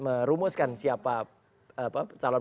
merumuskan siapa calon